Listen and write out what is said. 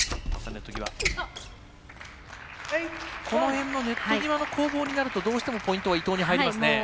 この辺のネット際の攻防になるとどうしてもポイントは伊藤に入りますね。